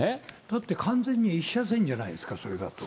だって完全に１車線じゃないですか、それだと。